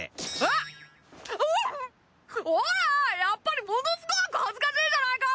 やっぱりものすごく恥ずかしいじゃないか！